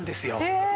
へえ！